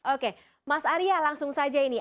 oke mas arya langsung saja ini